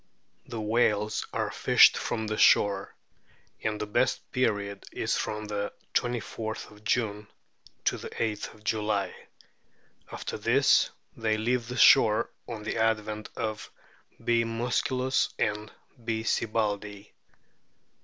The whales are fished from the shore, and the best period is from the 24th June to the 8th July ; after this they leave the shore on the advent of B. musculus and B. sibbaldii.